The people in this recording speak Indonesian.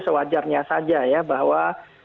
sewajarnya saja ya bahwa